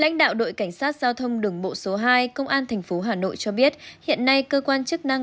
lãnh đạo đội cảnh sát giao thông đường bộ số hai công an tp hà nội cho biết hiện nay cơ quan chức năng